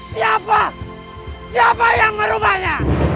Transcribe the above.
siapa siapa yang merubahnya